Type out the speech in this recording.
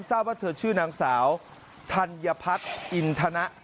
ทราบว่าเธอชื่อนางสาวธัญพัฒน์อินทนะ